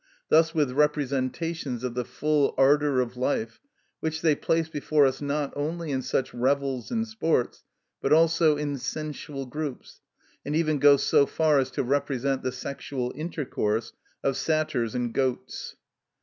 thus with representations of the full ardour of life, which they place before us not only in such revels and sports, but also in sensual groups, and even go so far as to represent the sexual intercourse of satyrs and goats.